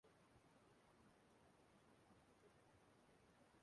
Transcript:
Ka anyị kpọọ ihe anyị ihe